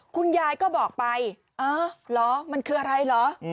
คุณยายก็บอกไปอ๋อเหรอมันคืออะไรเหรอ